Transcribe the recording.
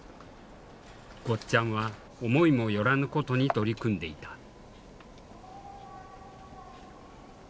ゴッちゃんは思いも寄らぬことに取り組んでいた。